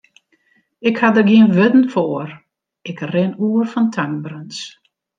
Ik ha der gjin wurden foar, ik rin oer fan tankberens.